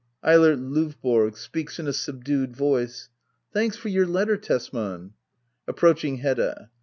Eilert LOyboro. [Speaks in a subdued voice,] Thanks for your letter, Tesman. [Approaching Hedda.